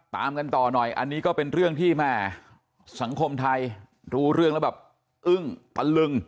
ตามกันต่อหน่อยอันนี้ก็เป็นเรื่องที่แม่สังคมไทยรู้เรื่องแล้วแบบอึ้งตะลึง